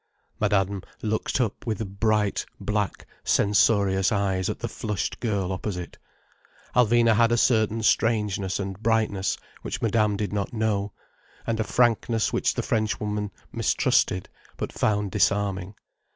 Madame looked up with bright, black, censorious eyes, at the flushed girl opposite. Alvina had a certain strangeness and brightness, which Madame did not know, and a frankness which the Frenchwoman mistrusted, but found disarming.